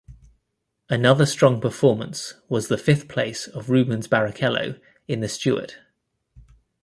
Another strong performance was the fifth place of Rubens Barrichello in the Stewart.